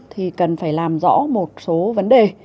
thì cần phải làm rõ một số vấn đề